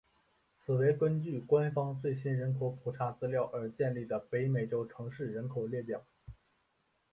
此为根据官方最新人口普查资料而建立的北美洲城市人口列表。